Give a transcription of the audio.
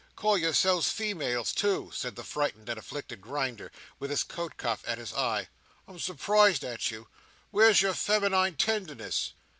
Call yourselves females, too!" said the frightened and afflicted Grinder, with his coat cuff at his eye. "I'm surprised at you! Where's your feminine tenderness?"